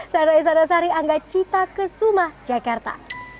saya rai sada sari angga cita ke sumah jakarta